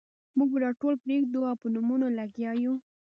موږ دا ټول پرېږدو او په نومونو لګیا یو.